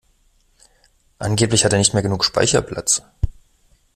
Angeblich hat er nicht mehr genug Speicherplatz.